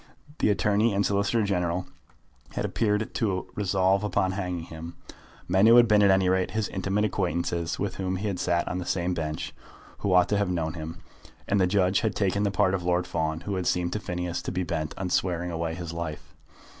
The Attorney and Solicitor General had appeared to him resolved upon hanging him, men who had been, at any rate, his intimate acquaintances, with whom he had sat on the same bench, who ought to have known him. And the judge had taken the part of Lord Fawn, who had seemed to Phineas to be bent on swearing away his life.